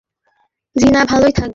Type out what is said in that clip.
জিনা ভালোই থাকবে।